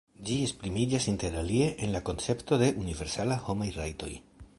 Ĝi esprimiĝas interalie en la koncepto de universalaj homaj rajtoj.